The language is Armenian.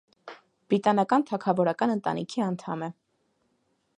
Բրիտանական թագավորական ընտանիքի անդամ է։